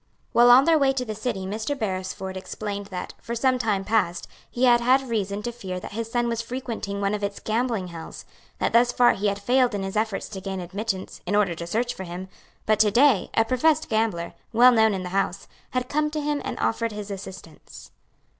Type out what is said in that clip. While on their way to the city Mr. Beresford explained that, for some time past, he had had reason to fear that his son was frequenting one of its gambling hells; that thus far he had failed in his efforts to gain admittance, in order to search for him; but to day, a professed gambler, well known in the house; had come to him and offered his assistance.